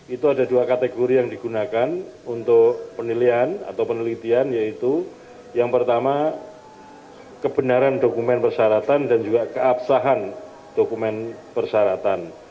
itu ada dua kategori yang digunakan untuk penilaian atau penelitian yaitu yang pertama kebenaran dokumen persyaratan dan juga keabsahan dokumen persyaratan